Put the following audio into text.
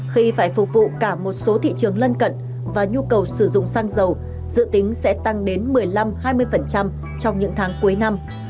khi phải phục vụ cả một số thị trường lân cận và nhu cầu sử dụng xăng dầu dự tính sẽ tăng đến một mươi năm hai mươi trong những tháng cuối năm